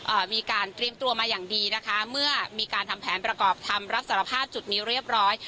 เอ่อมีการเตรียมตัวมาอย่างดีนะคะเมื่อมีการทำแผนประกอบคำรับสารภาพจุดนี้เรียบร้อย